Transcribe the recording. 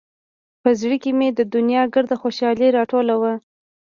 په زړه کښې مې د دونيا ګرده خوشالي راټوله وه.